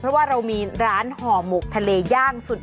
เพราะว่าเรามีร้านห่อหมกทะเลย่างสุด